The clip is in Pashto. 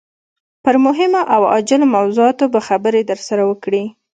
پر مهمو او عاجلو موضوعاتو به خبرې درسره وکړي.